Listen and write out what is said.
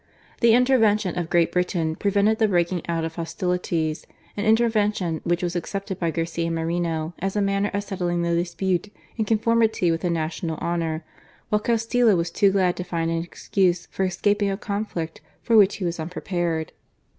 The inter wention of Great Britain prevented the breaking out of hostilities, an intervention which was accepted by ^Garcia Moreno as a manner of settling the dispute in conformity with the national honour; while Castilla was too glad to find an excuse for escaping a conflict for which he was unprepared.